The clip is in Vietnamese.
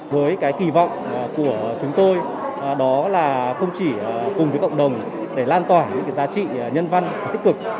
với cái kỳ vọng của chúng tôi đó là không chỉ cùng với cộng đồng để lan tỏa những giá trị nhân văn và tích cực